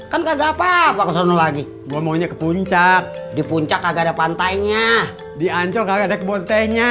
kan kagak apa apa lagi gua maunya ke puncak di puncak ada pantainya di ancol ada kebontenya im